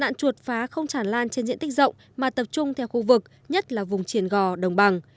hạn chuột phá không chản lan trên diện tích rộng mà tập trung theo khu vực nhất là vùng triển gò đồng bằng